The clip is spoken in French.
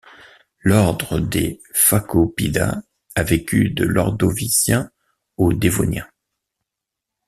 L'ordre des Phacopida a vécu de l'Ordovicien au Dévonien.